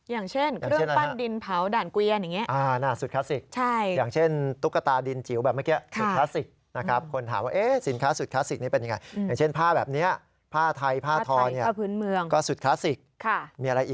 อย่างเช่นเรื่องปั้นดินเผาด่านเกวียนอย่างเงี้ย